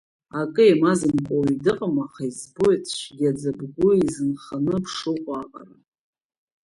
Акы еимазымкуа уаҩ дыҟам, аха избоит цәгьаӡа бгәы изынханы бшыҟоу аҟара!